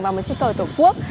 và một chiếc tờ tổ quốc